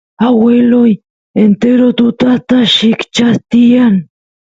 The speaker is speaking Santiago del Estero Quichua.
agueloy entero tutata llikchas tiyan